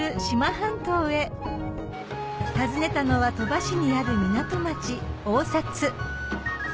志摩半島へ訪ねたのは鳥羽市にある港町相差